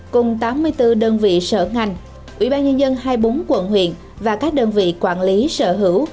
cùng tám mươi bốn đơn vị sở ngành ủy ban nhân dân hai mươi bốn quận huyện và các đơn vị quản lý sở hữu